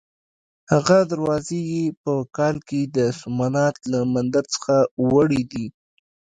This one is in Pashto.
هغه دروازې یې په کال کې د سومنات له مندر څخه وړې دي.